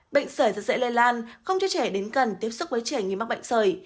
bệnh sởi rất dễ lây lan không cho trẻ đến cần tiếp xúc với trẻ nghi mắc bệnh sởi